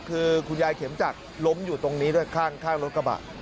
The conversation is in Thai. คือคุณยายเข็มจักรล้มอยู่ตรงนี้ด้วยข้างรถกระบะ